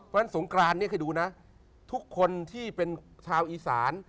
เพราะฉะนั้นทุกคนที่เป็นชาวอีศาล